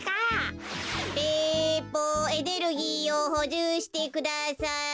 ペポエネルギーをほじゅうしてください。